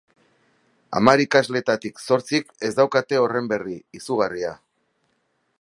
Hamar ikasletatik zortzik ez daukate horren berri, izugarria.